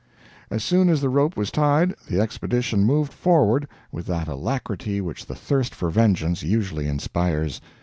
As soon as the rope was tied, the Expedition moved forward with that alacrity which the thirst for vengeance usually inspires.